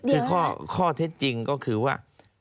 ในข้อเท็จจริงก็คือว่า